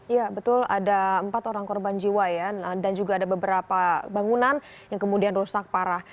ya betul ada empat orang korban jiwa ya dan juga ada beberapa bangunan yang kemudian rusak parah